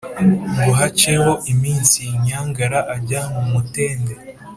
ngo haceho iminsi, nyangara ajya mu mutende